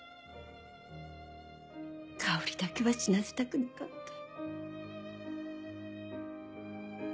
香織だけは死なせたくなかった。